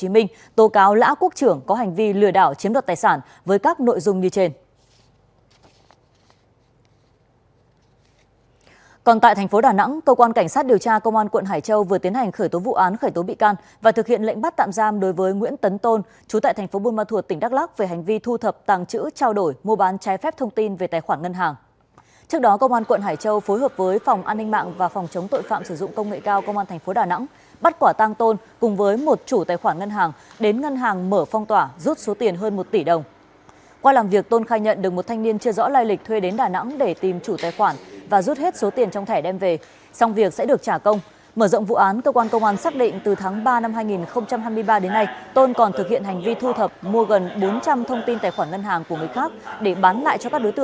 mở rộng vụ án cơ quan công an xác định từ tháng ba năm hai nghìn hai mươi ba đến nay tôn còn thực hiện hành vi thu thập mua gần bốn trăm linh thông tin tài khoản ngân hàng của người khác để bán lại cho các đối tượng qua mạng xã hội